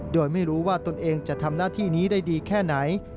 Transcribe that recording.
โดยไม่รู้ว่าตนเองจะทำหน้าที่นี้ได้ดีแค่ไหน